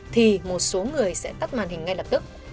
thì một số người sẽ tắt màn hình ngay lập tức